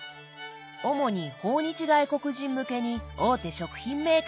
主に訪日外国人向けに大手食品メーカーが作ったお店です。